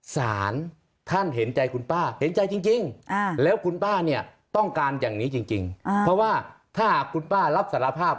สารท่านเห็นใจคุณป้าเห็นใจจริงแล้วคุณป้าเนี่ยต้องการอย่างนี้จริงเพราะว่าถ้าคุณป้ารับสารภาพ